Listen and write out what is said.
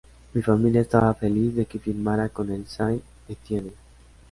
Mi familia estaba feliz de que firmara con el Saint-Étienne.